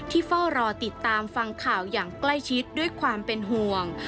เฝ้ารอติดตามฟังข่าวอย่างใกล้ชิดด้วยความเป็นห่วง